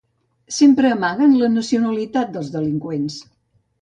Sempre amaguen la nacionalitat dels delinqüents